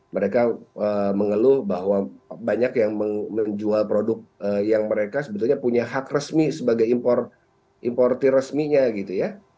mereka mengeluh bahwa banyak yang menjual produk yang mereka sebetulnya punya hak resmi sebagai importer resminya